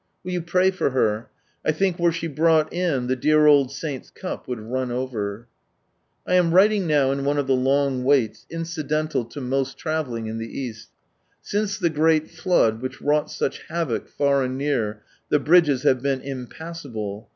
Will you pray for her; I think were she brought in the dear old saint's cup would run over ! I am writing now in one of the long waits incidental to most travelling in ihe EasL Since ihe great flood which wrought such havoc far and near, the bridges have been impassable.